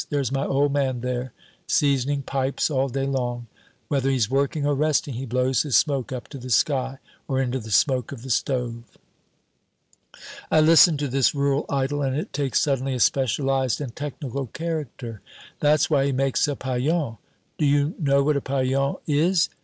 There's my old man there, seasoning pipes all day long; whether he's working or resting, he blows his smoke up to the sky or into the smoke of the stove." I listen to this rural idyll, and it takes suddenly a specialized and technical character: "That's why he makes a paillon. D'you know what a paillon is?